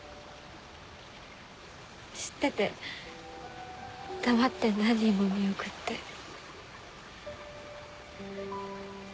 知ってて黙って何人も見送って。